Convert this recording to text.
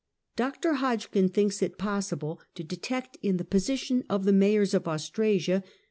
Dr. Hodgkin thinks it possible to detect, in the posi tion of the Mayors of Austrasia.